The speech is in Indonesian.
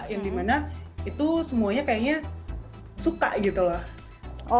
yang dimana itu semuanya kayaknya suka gitu loh